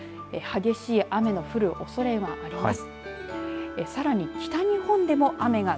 激しい雨の降るおそれがあります。